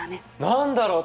何だろう？